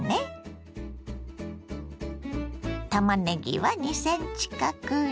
たまねぎは２ｃｍ角に。